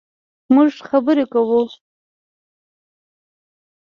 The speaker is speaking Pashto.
مونږ خبرې کوو